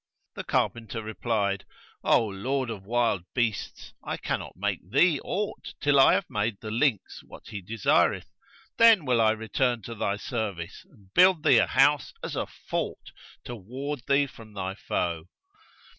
The carpenter replied, 'O lord of wild beasts, I cannot make thee aught till I have made the lynx what he desireth: then will I return to thy service and build thee a house as a fort to ward thee from thy foe.'